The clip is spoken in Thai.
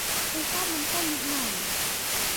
ฉันชอบน้ำส้มนิดหน่อย